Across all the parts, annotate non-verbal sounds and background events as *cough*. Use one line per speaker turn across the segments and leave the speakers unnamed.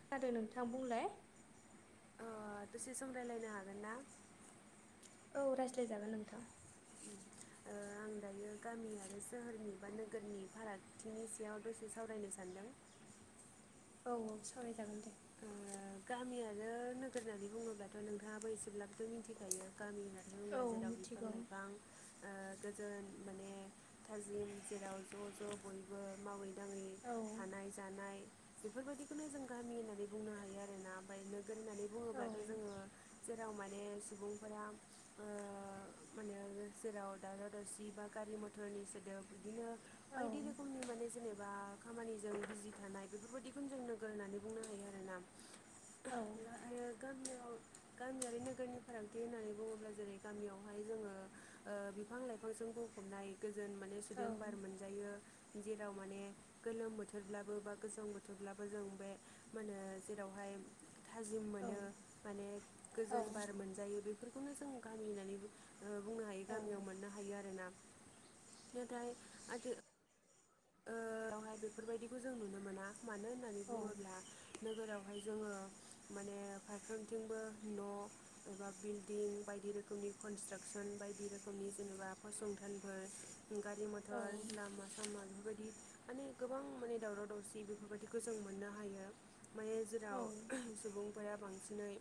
खोनादों नोंथां बुंलाय।
अ दसे सम रायलायनो हागोन ना?
औ रायज्लायजागोन नोंथां।
उम आं दायो गामि आरो सोहोरनि बा नोगोरनि फारागथिनि सायाव दसे सावरायनो सानदों। *inaudible*
औ औ सावरायजागोन दे।
ओ गामि आरो नोगोर होननानै बुङोब्लाथ' नोंथाङाबो एसेब्लाबो मिन्थिखायो गामि होननानै
औ
बुङोब्ला जेराव बिफां
मिथिगौ
लाइफां ओ गोजोन माने थाजिम जेराव ज' ज' बयबो मावै दाङै
औ
थानाय जानाय बेफोरबायदिखौनो जों गामि होननानै बुंनो हायो आरोना ओमफ्राय नो गोन होननानै
औ
बुङोब्लाथ' जोङो जेराव मान ने सुबुंफोरा ओ माहोनो जेराव दावराव दावसि बा गारि मथर। नि सोदोब बिदिनो
औ
बायदि रोखोमनि माने जेनेबा खामानिजों बिजि थानाय बेफोरबायदि खुनजों नोगोर होननानै बुंनो हायो आरोना
औ
आरो गामियाव गामियारि नोगोरनि फारागथि होननानै बुङोब्ला जेरै- गामियावहाय जोङो ओ बिफां लाइफांजों बुंफब फबनाय गोजोन माने
औ
सुदेमबार मोनजायो। जेराव माने गोलोम बोथोरब्लाबो बा गोजां बोथोरब्लाबो जों बे मा होनो जेराव हाय थाजिम मोनो माने
औ
गोजोन बार मोनजायो बेफोर खौनो जों गामि होननानै बुं ओ बुंनो हायो गामियाव मोननो हायो आरोना। नाथाय आथोन ओ *unintelligible* बेफोरबायदिखौ जों नुनो मोना मानो होननानै बुङोब्ला नोगोराव हाय जोङो माने फारफ्रामथिंबो न' एबा बिल्दिं बायदि रोखोमनि। कनसट्राकसन बायदि रोखोमनि जेनेबा फसंथानफोर। गारि मथर लामा सामानि *unintelligible* बायदि माने गोबां माने दावराव दावसि बेफोरबायदिखौ जों मोननो हायो। माने जेराव सुबुंफोरा बांसिनै।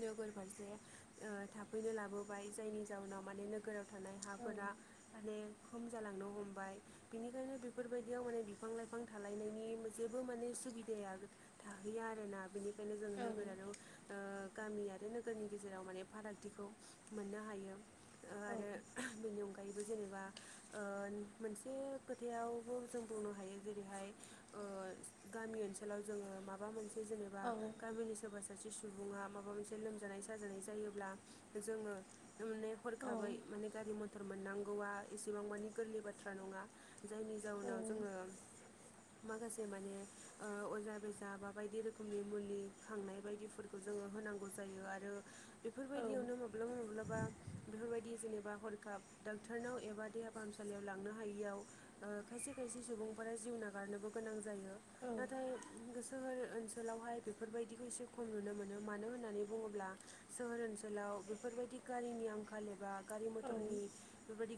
नोगोर फारसे ओ थाफैनो लाबोबाय जायनि जाउनाव माने नोगोराव थानाय हाफोरा माने खम जालांनो हमबाय बिनिखायनो बेफोरबायदियाव माने बिफां लाइफां थालायनायनि जेबो माने सुबिदाया थाहैया आरोना बेनिखायनो जोङो नोगोरारियाव ओ गामि आरो नोगोरनि गेजेराव माने फारागथिखौ मोननो हायो आरो बेनि अनगायैबो जेनेबा ओ मोनसे खोथायावबो जों बुंनो हायो जेरैहाय ओ गामि ओनसोलाव जोङो माबा मोनसे जेनेबा गामिनि सोरबा सो सासे सुबुङा माबा मोनसे लोमजानाय साजानाय जायोब्ला जोङो माने हरखाबै माने गारि मथर मोननांगौआ एसेबां मानि गोरलै बाथ्रा नङा जायनि जाउनाव जोङो माखासे माने ओ अजा बेजा बा बायदि रोखोमनि मुलि खांनाय बायदिफोरखौ जोङो होनांगौ जायो आरो बेफोरबायदियावनो माब्लाबा माब्लाबा बेफोरबायदि जेनेबा हरखाब डक्टरनाव एबा देहा फाहामसालियाव लांनो हायियाव ओ खायसे खायसे सुबुंफोरा जिउ नागारनोबो गोनां जायो नाथाय सोहोर ओन सोलावहाय बेफोरबायदिखौ एसे खम नुनो मोनो मानो होननानै बुङोब्ला सोहोर ओनसोलाव बेफोरबाय दि गारिनि आंखाल एबा गारि मथरनि बेफोरबायदि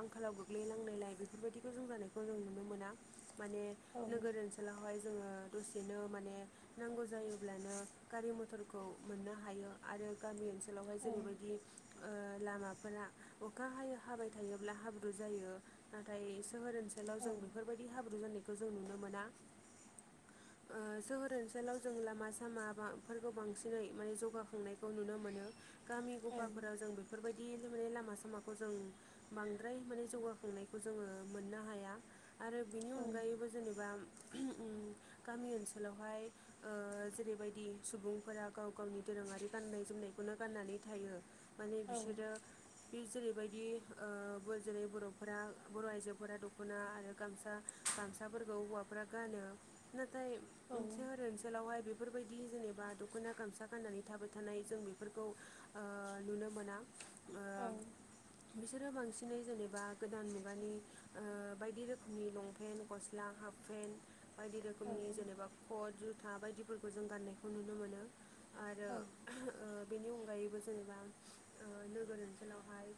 आंखालाव गोगलैनांनायलाय बेफोरबायदिखौ जौगानायखौ जों नुनो मोना माने नोगोर ओनसोलावहाय जोङो दसेनो माने नांगौ जायोब्लानो गारि मथरखौ मोननो हायो आरो गामि ओनसो लावहाय जेरैबायदि ओ लामाफोरा अखा हायो हाबाय थायोब्ला हाब्रु जायो नाथाय सोहोर ओनसोलाव जों बेफोरबायदि हाब्रु जानायखौ जों नुनो मोना ओ सोहोर ओनसोलाव जों लामा सामाफोरखौ बांसिनै माने जौगाखांनायखौ नुनो मोनो। गामि गफाफोराव जों बेफोरबायदि लुनाय लामा सामाखौ जों बांद्राय माने जौगाखांनाय खौ जोङो मोननो हाया आरो बिनि अनगायैबो जेनेबा *unintelligible* गामि ओनसोलावहाय ओ जेरैबायदि सुबुंफोरा गाव गावनि दोरोङारि गाननाय जोमनायखौनो गाननानै थायो माने बिसोरो बे जेरै- बेबायदि ओ बो जेरै- बर'फोरा बर' आइजोफोरा दख'ना आरो गामसा गामसाफोरखौ हौवाफोरा गानो ना थाय सोहोर ओनसोलावहाय बेफोरबायदि जेने बा दख'ना गामसा गाननानै थाबाय थानाय जों बेफोरखौ ओ नुनो मोना। ओ बिसोरो बांसिनै जेनेबा गोदान मु गानि ओ बायदि रोखोमनि लंपेन्ट गस्ला हाफपेन्ट बायदि रोखोमनि जेनेबा खट जुथा बायदिफोरखौ जों गाननायखौ नुनो मोनो। आरो बेनि अनगायैबो जेनेबा नोगोर ओनसोलावहाय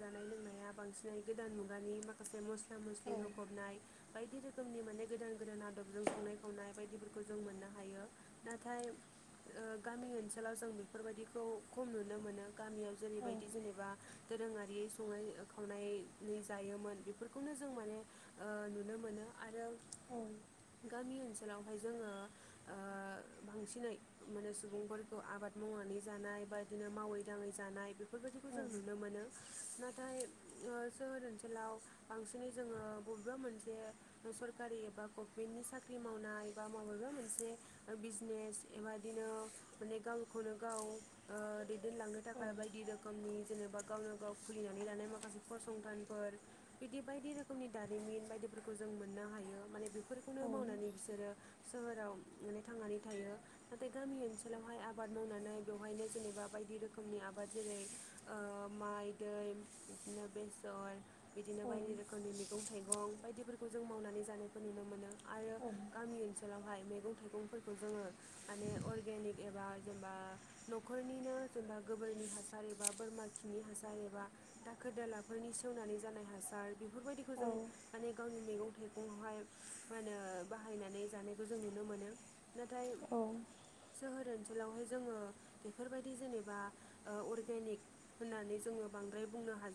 जानाय लोंनाया बांसिनै गोदान मु गानि माखासे मस्ला मस्लि होफबनाय बायदि रोखोमनि माने गोदान गोदान आदबजों संनाय खावनाय बायदिफोरखौ जों मोननो हायो नाथाय गामि ओनसोलाव जों बेफोरबायदिखौ खम नुनो मोनो। गामियाव जेरैबायदि जेनेबा दोरोङारि संनाय खावनाय जायोमोन बेफोरखौनो जों माने नुनो मोनो आरो गामि ओनसो लावहाय जोङो बांसिनै माने सुबुंफोरखौ आबाद मावनानै जानाय एबा बिदिनो मावै दाङै जानाय बेफोर बेफोरबायदिखौ जों
औ
नुनो मोनो नाथाय सोहोर ओनसोल ओनसोलाव बांसिनै जोङो बबेबा मोनसे सरकारि एबा गभमेन्टनि साख्रि मावनाय एबा बबेबा मोनसे बिजनेस बेबादिनो गावखौनो गाव दैदेनलांनो
औ
थाखाय बायदि रोखोमनि जेनेबा गावनो गाव खुलिनानै लानाय माखासे फसंथानफोर बिदि बायदि रोखोमनि दारिमिन बायदिफोरखौ जों मोननो हायो माने बे बेफोरखौनो मावनानै बिसोरो सोहोराव माने थांनानै थायो नाथाय गामि ओनसोलावहाय आबाद मावनानै बेवहायनो जेनेबा बायदि रोखोमनि आबाद जेरै माइ दै बिदिनो बेसर बिदिनो बायदि रोखोमनि मैगं थाइगं बायदिफोरखौ जों मावनानै जानायखौ नुनो मोनो। आरो गामि ओनसोलावहाय मैगं। थाइंफोरखौ जोङो माने अगेनिक एबा जेनेबा न'खरनिनो जेनेबा गोबोरनि। हासार एबा बोरमा खिनि हासार एबा दाखोर दालाफोरनि सेवनानै जानाय। हासार बेफोरबायदिखौ जों माने गावनि मैगं। थाइगंआवहाय मा होनो बाहायनानै जानायखौ जों नुनो मोनो। नाथाय जोहोरोन। सकुलावनो जोङो बेफोरबायदि जेनेबा अरगे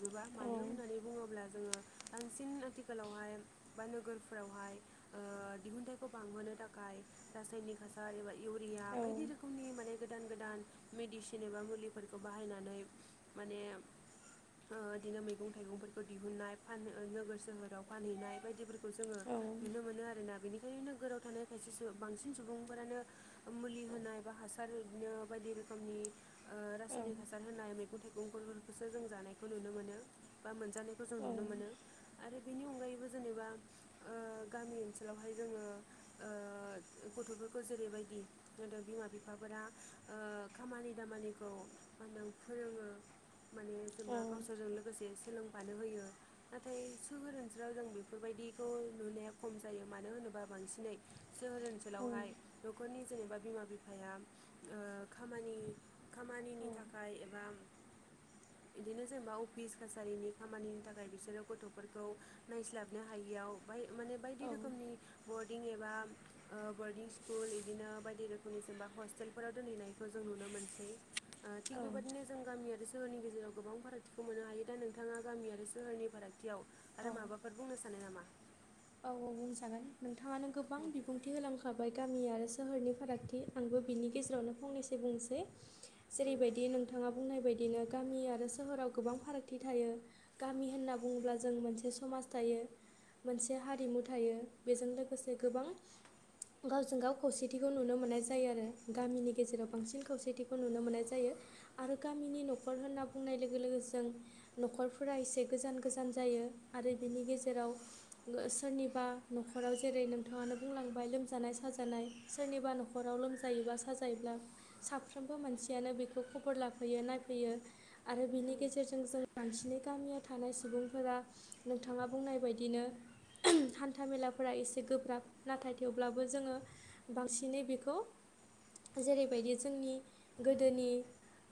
जोबा मानो होननानै बुङोब्ला। जोङो बांसिन आथिखालावहाय बा नोगोरफ्रावहाय ओ दिहु थाखाय रायनिक हासार एबा इउरिया बायदि रोखोमनि माने गोदान गोदान मेडिसिन एबा मुलिफोरखौ बाहायनानै। ओ बिदिनो मैगं थाइगंफोरखौ दिहुननाय फान ओरैनो गोराव थानाय खायसे बांसिन सुबुंफोरानो मुलि होनाय बा हासार बिनो बायदि। रोखोमनि ओ रासायनिक हासार होनाय मैगं खौ जों नुनो मोनो आरो बेनि अनगायैबो जेनेबा गामि ओनसोलावहाय जोङो। फोरा खामानि दामानिखौ मा होनदों फोरोङो। माने जोंबा गावसोरजों लोगोसे सोलों। मानो होयो नाथाय सो बांसिनै। सोहोर ओनसोलावहाय न'खरनि जेनेबा बिमा बिफाया ओ खामानि। खामानिनि थाखाय एबा बिदिनो। खामानिनि थाखाय बिसोरो गथ'फोरखौ नायस्लाबनो हायियाव बाय। माने बायदि रोखोमनि बद बदिं एबा ब मोनसे ओ थिग बेबादिनो जों गामि आरो सोहोरनि गेजेराव गोबां फारागथिखौ मोननो हायो। खाथियाव आरो माबाफोर बुंनो सानो नामा?
औ औ। गामि आरो सोहोरनि फारागथि आंबो बिनि गेजेरावनो फंनैसो बुंनोसै। जेरैबायदि नोंथाङा। बुंनाय बायदिनो गामि आरो सोहो समाज थायो मोनसे हारिमु थायो बेजों लोगोसे गोबां। गावजों गाव खौसेथिखौ नुनो मोननाय जायो आरो गामिनि। आरो गामिनि न'खर होनना बुंनाय लोगो लोगो ज न'खरफोरा एसे गोजान गोजान जायो। आरो बिनि गेजेराव सोरनिबा नखराव जेरै नोंथाङा नो बुंलांबाय लोमजानाय सानजानाय सोरनिबा नखराव लोमजायोबा साजायोबा साफ्रोमबो मानसियानो बेखौ खबर नायफैयो आरो आरो बिनि गेजेरजों जों बानसिनि गामियाव थानाय सुबुंफोरा नोंथाङा बुंनाय बादिनो
*unintelligible*
हान्था मेलाफोरा एसे गोब्राब नाथाय थेवब्लाबो जोंङो बांसिनै बेखौ। जेरैबायदि जोंनि गोदोनि।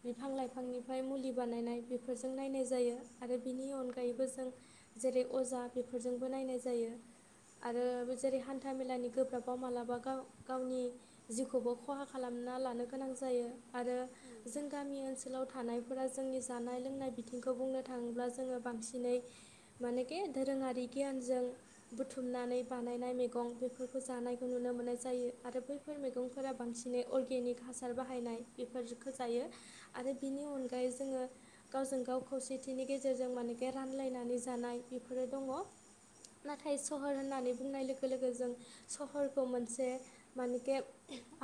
बिफां लाइफांनिफ्राय मुलि बानायनाय बेफोरजों नायनाय जायो आरो बेनि अनगायैबो जों जेरै अजा बेफोरजोंबो नायनाय जायो। आरो जेरै हान्था मेलानि गोब्राब आ गावनि जिउखौबो खहा खालामो ना लानो गोनां जायो आरो जों गामि ओनसोलाव थानायफोरा जोंनि जानाय लोंनाय बिथोन खौ बुंनो थाङोब्ला जोंङो बांसिनै मानेके दोरोंङारि गियानजों बुथुमनानै बानायनाय मैगं बेफोरखौ जानायखौ नुनो मोननाय जायो आरो बैफोर मैगंफोरा बांसिनै अरगेनिक हासार बाहायनाय बेफोरखौ जायो आरो बिनि अनगायै जोंङो गावजों गाव खौसेथिनि गेजेरजों मानेके रानलायनानै जानाय बेफोरो दंङ
*inaudible*
नाथाय सहर होननानै बुंनाय लोगो लोगो जों सहरखौ मोनसे माने के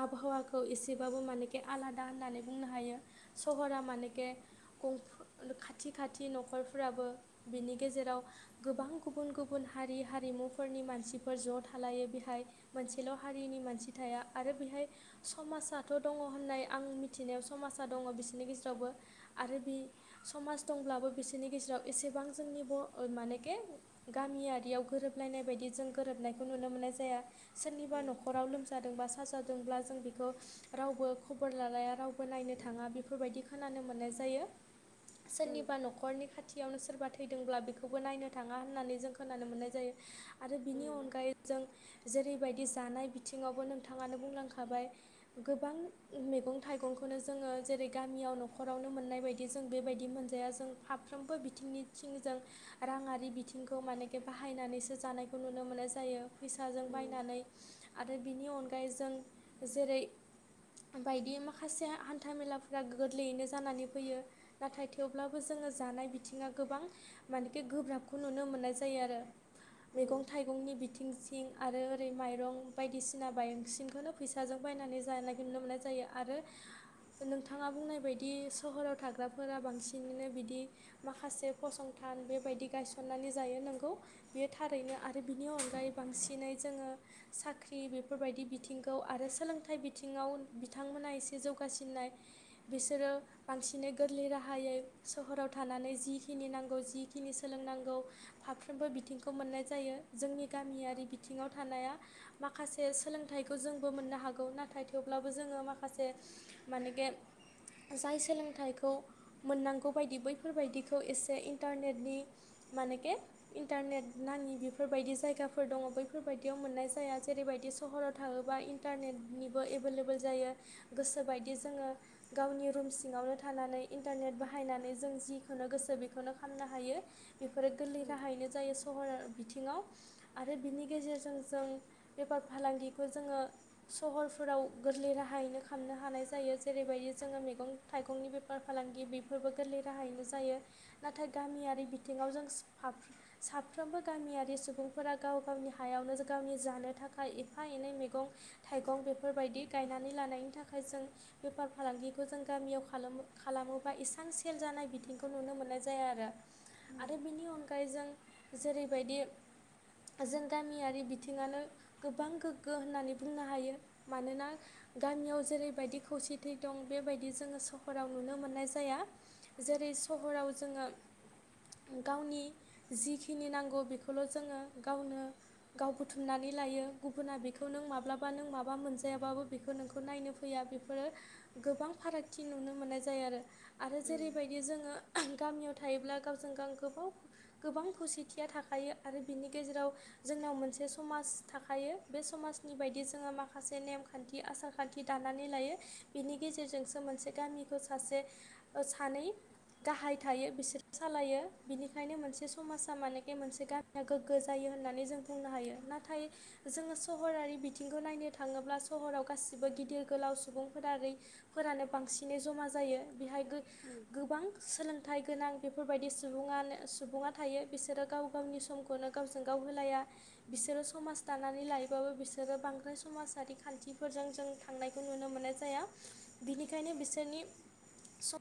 आबहावाखौ एसेबाबो माने के आलादा होननानै बुंनो हायो सहरा माने के खाथि खाथि नखरफ्राबो बिनि गेजेराव गोबां गुबुन गुबुन हारि हारिमुफोरनि मानसिफोर ज' थालायो बेहाय मोनसेल' हारिनि मानसि थाया आरो बेहाय समासाथ दङ होननाय आं मिथिनायाव समाजा दङ बिसोरनि गेजेरावबो आरो समाज दंब्लाबो बिसोरनि गेजेराव एसेबां जोंनि बर मानेके गामियारि रियाव गोरोबलायनाय बायदि जों गोरोबनायखौ नुनो मोननाय जाया सोरनिबा नखराव लोमजादोंबा साजादों अब्ला जों बेखौ रावबो खबर लालाया रावबो नायनो थांङा बेफोरबायदि खोनानो मोननाय जायो सोरनिबा न खरनि खाथियावनो सोरबा थैदोंब्ला बेखौबो नायनो थाङा होननानै जोंखौ खोनानो मोननाय जायो आरो बिनि अनगायै जों जेरैबायदि जानाय बिथिङावबो नोंथाङानो बुंलांखाय गोबां मैगं थाइगंखौनो जोंङो जेरै गामियाव न'खरावनो मोननाय बेबायदि जों बेबायदि मोनजाया जों फाफ्रोमबो बिथिंनिथिं जों रांङारि बिथिंखौ माने बाहायनानैसो जानायखौ नुनो मोननाय जायो फैसाजों बायनानै आरो बिनि अनगायै जों जेरै बायदि माखासे हान्थामेलाफोरा गोरलैयैनो जानानै फैयो नाथाय थेवब्लाबो जों जोंङो जानाय बिथिङा गोबां मानेखि गोब्राबखौ नुनो मोननाय जायो आरो मैगं थाइगंनि बिथिंसिं आरो ओरै माइरं बायदिसिना बांसिनखौनो फैसाजों बाय बायनानै जानाय नुनो मोननाय जायो आरो नोंथाङा बुंनाय बायदि सोहराव थाग्राफोरा बांसिनानो बिदि माखासे फसंथान थान बेबायदि गायसननानै जायो नों बेयो थारैनो आरो बिनि अनगायै बांसिनै जोंङो साख्रि बेफोरबायदि बिथिं आरो सोलोंथाइ बिथिङाव बिथांमोना एसे जौगासिननाय बिसोरो बांसिन नो गोरलै राहायै सहराव थानानै जिखिनि नांगौ जिखिनि सोलोंनांगौ फाफ्रोमबो बिथिंखौ मोननाय जायो जोंनि गामियारि बिथिङाव थानाया माखासे सोलोंथाइ खौ जोंबो मोननो हागौ नाथाय थेवब्लाबो जोंङो माखासे मानेे जाय सोलोंथाइखौ मोननांगौ बायदि बैफोरबायदिखौ एसे इन्टारनेटनि मानेके इन्टारनेट नाङि बेफोरबायदि जायगाफोर दङ बैफोरबायदियाव मोननाय जाया जेरैबायदि सहराव थाङो बा इन्टारनेनिबो एबेलेबेल जायो गोसोबायदि जोङो गावनि रुम सिङावनो थानानै इन्टारनेट बाहायनानै जों जिखौनो गोसो बेखौनो खामनो हायो बेफोर गाहायनो जायो सहर बिथिङाव आरो बिनि गेजेरजों जों बेफार फालांगिखौ जोङो सहर फोराव गोरलै राहायैनो खामनो हानाय जायो जेरैबायदि जोङो मैगं थाइगंनि बेफार फालांगि बिफोर फोरबो गोरलै राहायैनो जायो नाथाय गामियारि बिथिङाव जों सा-साफ्रोमबो गामियारि सुबुंफोरा गाव गावनि हायावनो गावनि जानो थाखाय एफा एनै मैगं थाइगं बेफोरबायदि गायनानै लानायनि थाखाय जों बेफार फालांगिखौ जों गामियाव खालामो-खालामोबा एसां सेल जानाय बिथिंखौ नुनो मोननाय जाया आरो आरो बिनि अनगा यै आरो जों जेरैबायदि जों गामियारि बिथिङानो गोबां गोग्गो होननानै बुंनो हायो मानोना गामियाव जेरैबायदि खौसेथि दं बेबायदि जोङो सहराव नुनो मोननाय जाया जेरै सहराव जोङो गावनि जिखिनि नांगौ बेखौल' जोङो गावनो गाव बुथुमनानै लायो गुबुना बेखौ नों माब्लाबा नों माबा मोनजायाबाबो बेखौ नोंखौ नायनो फैया बेफोरो गोबां फारागथि नु नो मोननाय जायो आरो जेरैबायदि जोङो गामियाव थायोब्ला गावजों गाव गोबाव गोबां खौसेथिया थाखायो आरो बिनि गेजेराव जोंनाव मोनसे समास थाखायो बे समास नि बायदि जोङो माखासे नेमखान्थि आसारखान्थि दानानै लायो बिनि गेजेरजोंसो मोनसे गामि बेखौ सासे ओ सानै गाहाइ थायो बिसोरो सालायो बिनिखायनो मोनसे समासा माने मोनसे गामिया गोग्गो जायो होननानै जों बुंनो हायो नाथाय जोङो सहरारि बिथिंखौ नायनो थाङोब्ला सहराव गासिबो गिदिर गोलाव सुबुंफोरिफोरानो बांसिनै जमा जायो बेहाय गो-गोबां सोलोंथाइ गोनां बेफोरबायदि सुबुङानो सुबुङा थायो बिसोरो गाव गावनि समखौनो गावजों गाव होलाया बिसोरो समाज दानानै लायोबाबो बिसोर बिसोरो बांद्राय समाजारि खान्थिफोरजों जों थांनायखौ नुनो मोननाय जाया बिनिखायनो बिसोरनि
*inaudible*